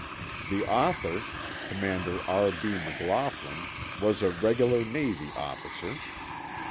The author, Commander R. B. McLaughlin, was a regular Navy officer.